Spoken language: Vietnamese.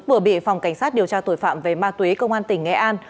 vừa bị phòng cảnh sát điều tra tội phạm về ma túy công an tỉnh nghệ an